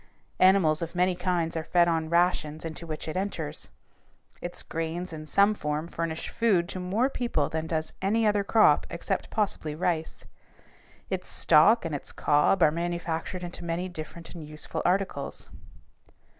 Animals of many kinds are fed on rations into which it enters. Its grains in some form furnish food to more people than does any other crop except possibly rice. Its stalk and its cob are manufactured into many different and useful articles.